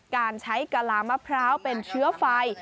การใช้กะลามะพร้าวเป็นเชื้อไฟ